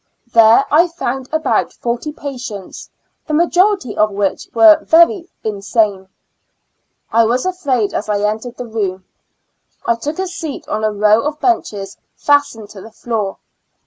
There I found about forty patients, the majority of which were very insane. I was afraid as I entered the room; I took a seat on a row of benches fastened to the floor.